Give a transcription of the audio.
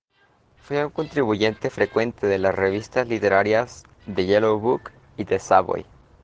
Fue un contribuyente frecuente de las revistas literarias "The Yellow Book" y "The Savoy".